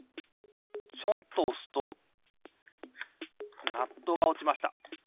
ちょんとおすとナットがおちました。